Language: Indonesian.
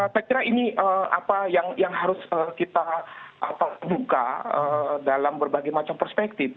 saya kira ini apa yang harus kita buka dalam berbagai macam perspektif